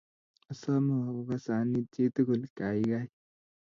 Asomo kokasan iit chi tukul, kaikai.